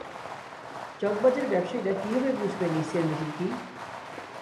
চকবাজারের ব্যবসায়ীরা কীভাবে বুঝবেন ইসিআর মেশিন কী।